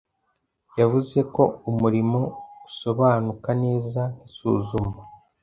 yavuze ko umurimo usobanuka neza nkisuzuma